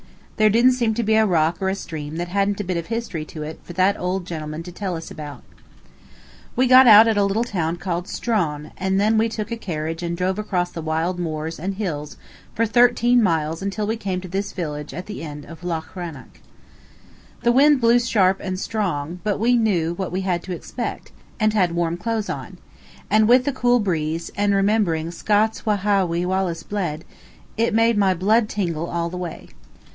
There didn't seem to be a rock or a stream that hadn't a bit of history to it for that old gentleman to tell us about. We got out at a little town called Struan, and then we took a carriage and drove across the wild moors and hills for thirteen miles till we came to this village at the end of Loch Rannoch. The wind blew strong and sharp, but we knew what we had to expect, and had warm clothes on. And with the cool breeze, and remembering "Scots wha ha' wi' Wallace bled," it made my blood tingle all the way.